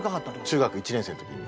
中学１年生の時に。